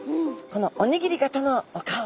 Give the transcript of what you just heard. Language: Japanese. このおにぎり型のお顔